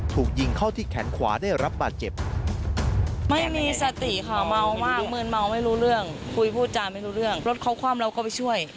ถูกยิงเข้าที่แขนขวาได้รับบาดเจ็บ